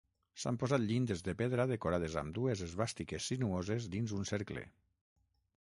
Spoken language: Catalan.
S'han posat llindes de pedra decorades amb dues esvàstiques sinuoses dins un cercle.